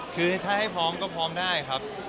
คือถ้าให้พร้อมก็พร้อมได้ครับ